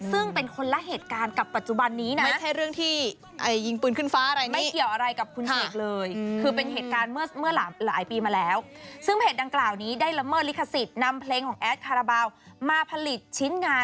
ซึ่งเป็นคนละเหตุการณ์กับปัจจุบันนี้นะ